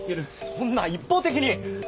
そんな一方的に。